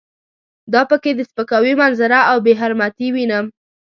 دا په کې د سپکاوي منظره او بې حرمتي وینم.